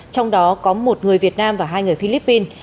trong đó có một người việt nam và hai người philippines